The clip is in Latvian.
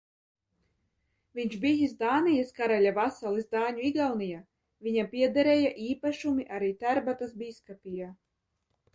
Viņš bijs Dānijas karaļa vasalis Dāņu Igaunijā, viņam piederēja īpašumi arī Tērbatas bīskapijā.